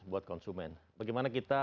buat konsumen bagaimana kita